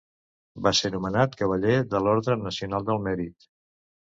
Va ser nomenat cavaller de l'Orde Nacional del Mèrit.